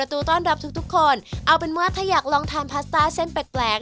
ทุกคนเอาเป็นเมื่อถ้าอยากลองทานพาสต้าแส่นแปลก